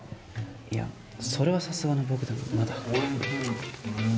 いやそれはさすがの僕でもまだ。